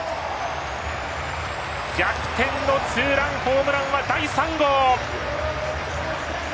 逆転のツーランホームランは第３号！